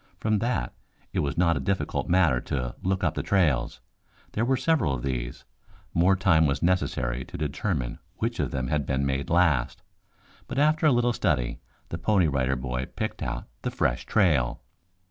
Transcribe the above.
From that, it was not a difficult matter to look up the trails. There were several of these. More time was necessary to determine which of them had been made last, but after a little study the Pony Rider Boy picked out the fresh trail.